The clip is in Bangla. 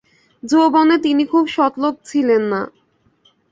যৌবনে তিনি খুব সৎ লোক ছিলেন না।